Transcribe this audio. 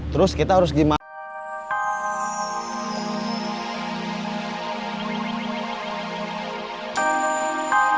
terus kita harus gimana